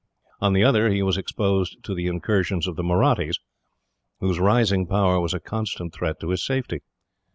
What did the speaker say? On the other he was exposed to the incursions of the Mahrattis, whose rising power was a constant threat to his safety.